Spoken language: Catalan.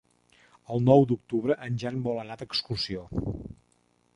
El nou d'octubre en Jan vol anar d'excursió.